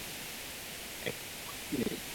এখানে কোনো অপশক্তি নেই।